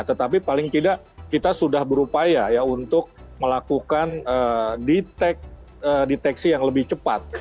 tetapi paling tidak kita sudah berupaya untuk melakukan deteksi yang lebih cepat